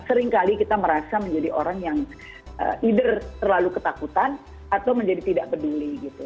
seringkali kita merasa menjadi orang yang either terlalu ketakutan atau menjadi tidak peduli gitu